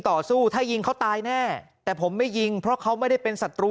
ต่อสู้ถ้ายิงเขาตายแน่แต่ผมไม่ยิงเพราะเขาไม่ได้เป็นศัตรู